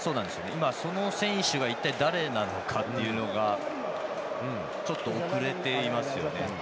その選手が一体、誰なのかというのがちょっと遅れていますよね。